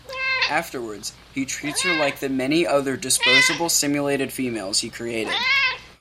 Afterwards he treats her like the many other disposable simulated females he created.